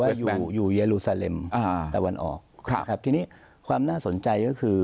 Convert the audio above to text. อยู่อยู่เยลูซาเลมอ่าตะวันออกครับครับทีนี้ความน่าสนใจก็คือ